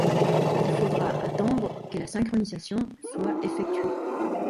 Il faudra attendre que la synchronisation soit effectuée.